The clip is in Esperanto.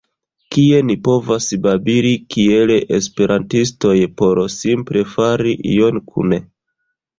kie ni povas babili kiel esperantistoj por simple fari ion kune.